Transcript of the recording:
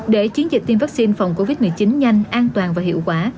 để chiến dịch tiêm vaccine phòng covid một mươi chín nhanh an toàn và hiệu quả